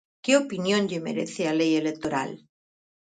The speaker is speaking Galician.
Que opinión lle merece a lei electoral?